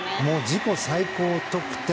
自己最高得点。